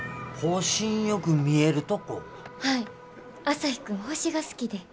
朝陽君星が好きで。